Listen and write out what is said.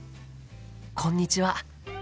こんにちは。